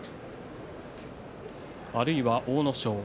あるいは、阿武咲